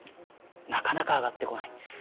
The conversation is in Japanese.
なかなか上がってこない。